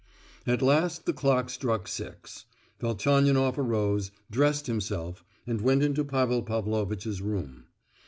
At last the clock struck six. Velchaninoff arose, dressed himself, and went into Pavel Pavlovitch's room.